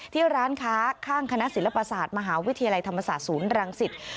ที่ร้านค้าข้างคณะศิลปศาสตร์มหาวิทยาลัยธรรมศาสตร์ศูนย์รังสิต